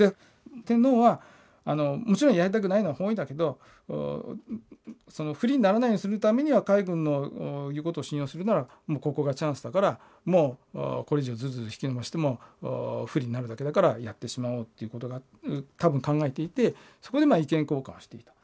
天皇はもちろんやりたくないのは本意だけど不利にならないようにするためには海軍の言うことを信用するならもうここがチャンスだからもうこれ以上ずるずる引き延ばしても不利になるだけだからやってしまおうっていうことを多分考えていてそこで意見交換をしていた。